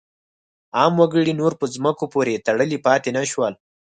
عام وګړي نور په ځمکو پورې تړلي پاتې نه شول.